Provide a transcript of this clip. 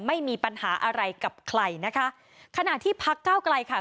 ไม่มีปัญหาอะไรกับใครนะคะขณะที่พักเก้าไกลค่ะ